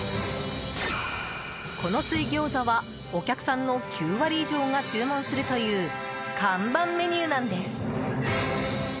この水餃子は、お客さんの９割以上が注文するという看板メニューなんです。